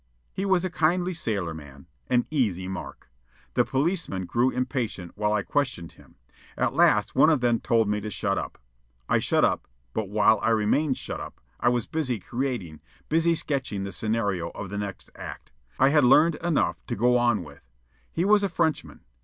He was a kindly sailorman an "easy mark." The policemen grew impatient while I questioned him. At last one of them told me to shut up. I shut up; but while I remained shut up, I was busy creating, busy sketching the scenario of the next act. I had learned enough to go on with. He was a Frenchman.